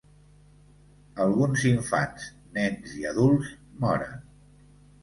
Alguns infants, nens i adults moren.